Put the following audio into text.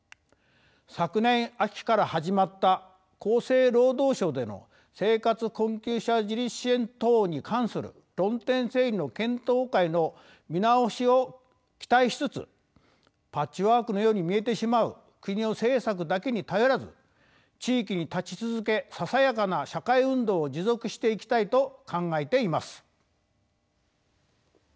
昨年秋から始まった厚生労働省での生活困窮者自立支援等に関する論点整理の検討会の見直しを期待しつつパッチワークのように見えてしまう国の政策だけに頼らず地域に立ち続けささやかな社会運動を持続していきたいと考えています。